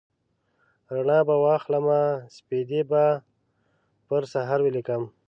رڼا به واخلمه سپیدې به پر سحر ولیکم